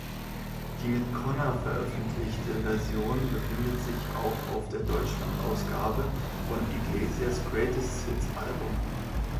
Die mit Connor veröffentlichte Version befindet sich auch auf der Deutschland-Ausgabe von Iglesias’ Greatest-Hits-Album.